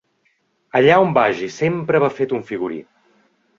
Allà on vagi, sempre va fet un figurí.